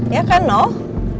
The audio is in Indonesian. ya kan noh